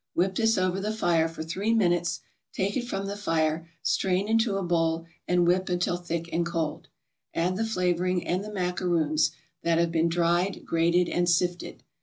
Whip this over the fire for three minutes, take it from the fire, strain into a bowl, and whip until thick and cold. Add the flavoring and the macaroons, that have been dried, grated and sifted.